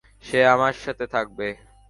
সে আমার সাথে থাকবে।